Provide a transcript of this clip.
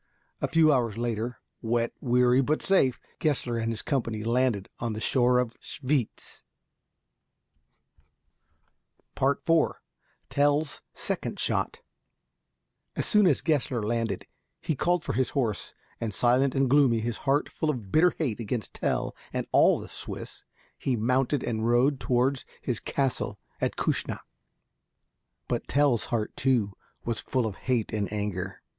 A few hours later, wet, weary, but safe, Gessler and his company landed on the shore of Schwyz. [Illustration: WILLIAM TELL AND HIS FRIENDS.] IV TELL'S SECOND SHOT As soon as Gessler landed, he called for his horse, and silent and gloomy, his heart full of bitter hate against Tell and all the Swiss, he mounted and rode towards his castle at Küssnacht. But Tell's heart, too, was full of hate and anger.